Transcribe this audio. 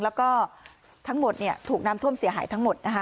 แล้วก็ทั้งหมดถูกน้ำท่วมเสียหายทั้งหมดนะคะ